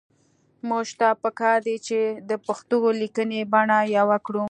موږ ته پکار دي چې د پښتو لیکنۍ بڼه يوه کړو